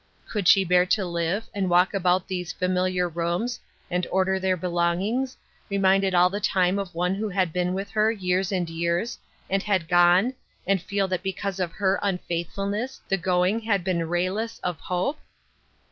Could she bear to live, and walk about these familiar rooms, and order their belongings, reminded all the time of one who had been with her, years and years, and had gone, and feel that because of her unfaithfulness the going had been rayless of hope